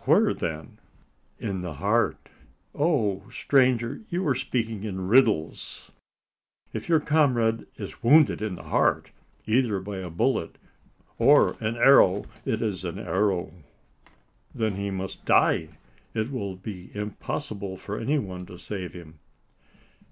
"Where, then?" "In the heart." "Oh! stranger, you are speaking in riddles. If your comrade is wounded in the heart, either by a bullet or an arrow " "It is an arrow." "Then he must die: it will be impossible for any one to save him."